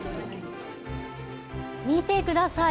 見てください。